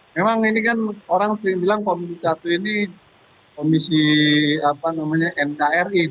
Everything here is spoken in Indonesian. memang ini kan orang sering bilang komisi satu ini komisi nkri